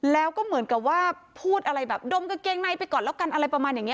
แล้วก็เหมือนกับว่าพูดอะไรแบบดมกางเกงในไปก่อนแล้วกันอะไรประมาณอย่างนี้